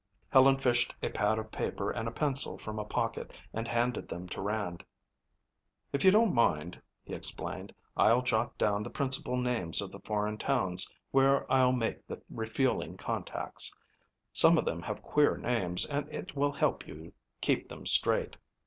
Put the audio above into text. Helen fished a pad of paper and a pencil from a pocket and handed them to Rand. "If you don't mind," he explained, "I'll jot down the principal names of the foreign towns where I'll make the refueling contacts. Some of them have queer names and it will help you keep them straight."